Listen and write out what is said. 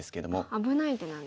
危ない手なんですね。